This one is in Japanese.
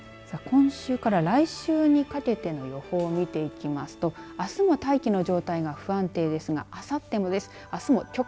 さあ、今週から来週にかけての予報を見ていきますとあすも大気の状態が不安定ですがあさってもです。